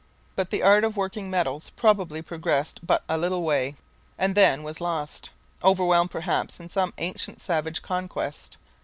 But the art of working metals probably progressed but a little way and then was lost, overwhelmed perhaps in some ancient savage conquest.